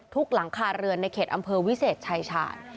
หลังคาเรือนในเขตอำเภอวิเศษชายชาญ